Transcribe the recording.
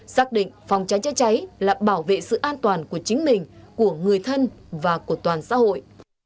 xác định phòng cháy chữa cháy là bảo vệ sự an toàn của chính mình của người thân và của toàn xã hội